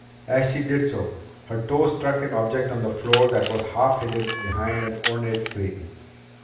As she did so, her toe struck an object on the floor that was half hidden behind an ornate screen.